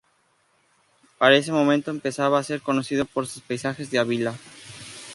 Para ese momento empezaba a ser conocido por sus paisajes del Ávila.